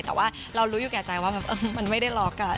แต่ว่าเรารู้อยู่แก่ใจว่าแบบมันไม่ได้ล็อกกัน